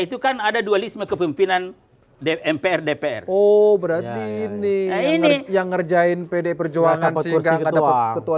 itu kan ada dualisme kepemimpinan mpr dpr oh berarti ini yang ngerjain pd perjuangan ketua